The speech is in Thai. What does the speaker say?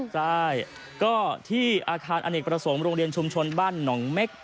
ใช่ก็ที่อาคารอเนกประสงค์โรงเรียนชุมชนบ้านหนองเม็ก